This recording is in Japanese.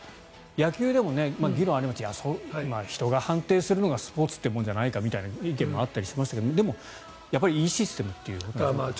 野球でも議論はありましたが人が判定するのがスポーツというものじゃないかという意見もあったりしましたがでも、いいシステムということなんですね。